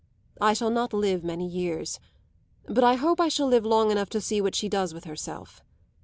I shall not live many years; but I hope I shall live long enough to see what she does with herself.